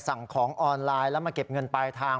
สั่งของออนไลน์แล้วมาเก็บเงินปลายทาง